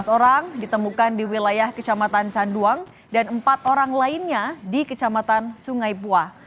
tiga belas orang ditemukan di wilayah kecamatan canduang dan empat orang lainnya di kecamatan sungai bua